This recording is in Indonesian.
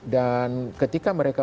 dan ketika mereka